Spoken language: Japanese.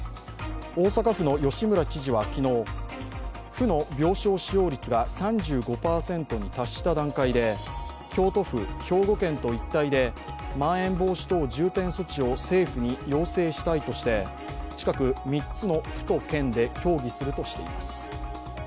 大阪府の吉村知事は昨日府の病床使用率が３５％に達した段階で京都府、兵庫県と一体でまん延防止等重点措置を政府に要請したいとして近く、３つの府と県で協議するとしています。